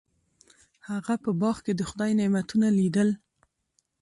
هغه په باغ کې د خدای نعمتونه لیدل.